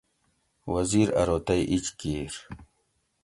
وزیر ارو تئ ایج کِیر